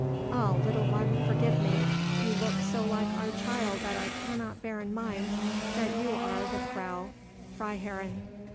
Ah! little one, forgive me; you look so like our child that I cannot bear in mind that you are the Frau Freiherrinn."